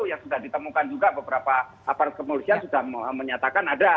yang sudah ditemukan juga beberapa aparat kepolisian sudah menyatakan ada